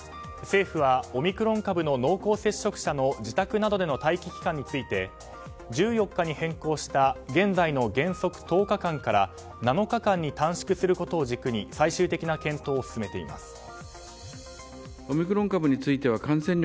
政府はオミクロン株の濃厚接触者の自宅などでの待機期間について１４日に変更した現在の原則１０日間から７日間に短縮することを軸に最終的な検討を進めています。